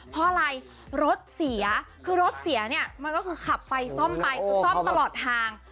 เพราะอะไรรถเสียคือรถเสียเนี่ยมันก็คือขับไปซ่อมไปคือซ่อมตลอดทาง